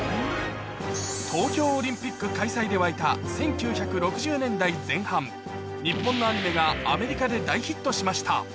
東京オリンピック開催で沸いた１９６０年代前半、日本のアニメがアメリカで大ヒットしました。